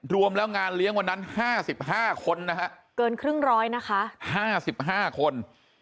รวมแล้วงานเลี้ยงวันนั้น๕๕คนนะฮะเกินครึ่งร้อยนะคะ๕๕คน